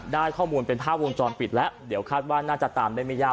ได้ข้อมูลเป็นภาพวงจรปิดแล้วเดี๋ยวคาดว่าน่าจะตามได้ไม่ยาก